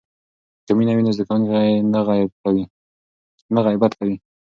که مینه وي نو زده کوونکی نه غیبت کوي.